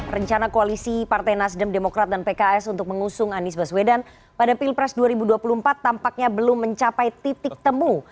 rencana koalisi partai nasdem demokrat dan pks untuk mengusung anies baswedan pada pilpres dua ribu dua puluh empat tampaknya belum mencapai titik temu